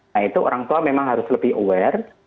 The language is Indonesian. nah itu orang tua memang harus lebih aware